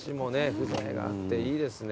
風情があっていいですね。